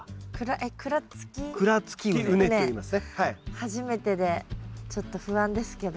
初めてでちょっと不安ですけど。